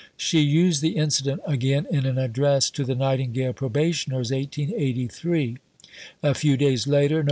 She used the incident again in an address to the Nightingale Probationers (1883). A few days later (Nov.